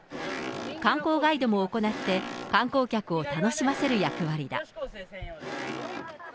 観光ガイドも行って、観光客を楽しませる役割だ。